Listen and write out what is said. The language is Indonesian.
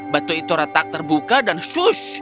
batu itu retak terbuka dan flush